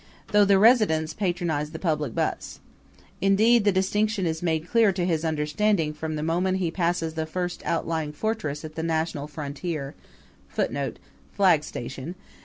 ], though the residents patronize the public bus. Indeed, the distinction is made clear to his understanding from the moment he passes the first outlying fortress at the national frontier [Footnote: Flag station.